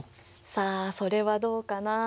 さあそれはどうかな？